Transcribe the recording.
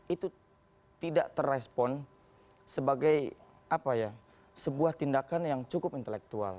itu tidak terrespon sebagai sebuah tindakan yang cukup intelektual